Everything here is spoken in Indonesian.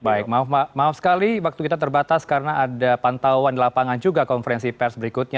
baik maaf sekali waktu kita terbatas karena ada pantauan di lapangan juga konferensi pers berikutnya